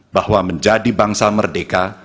bahwa menjadi bangsa merdeka